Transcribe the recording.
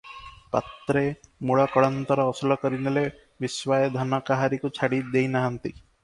ପାତ୍ରେ ମୂଳ କଳନ୍ତର ଅସୁଲ କରିନେଲେ, ବିଶ୍ୱାଏ ଧାନ କାହାରିକୁ ଛାଡ଼ି ଦେଇନାହାନ୍ତି ।